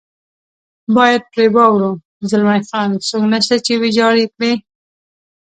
باید پرې واوړو، زلمی خان: څوک نشته چې ویجاړ یې کړي.